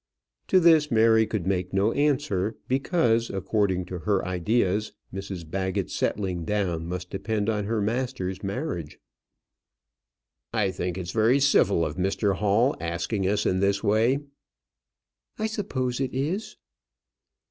To this Mary could make no answer, because, according to her ideas, Mrs Baggett's settling down must depend on her master's marriage. "I think it very civil of Mr Hall asking us in this way." "I suppose it is."